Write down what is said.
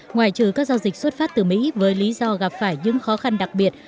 ngoại trừ các giao dịch xuất phát từ mỹ với lý do gặp phải những khó khăn đặc biệt